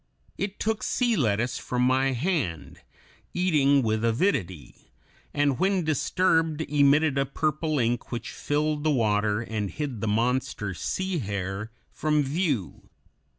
It took sea lettuce from my hand, eating with avidity, and when disturbed emitted a purple ink which filled the water and hid the monster "sea hare" from view.